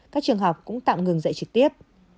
các trường học cũng tạm ngừng dạy trực tiếp